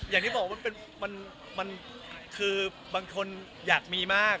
อย่างที่บอกว่ามันคือบางคนอยากมีมาก